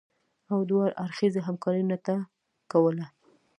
او دوه اړخیزې همکارۍ نټه کوله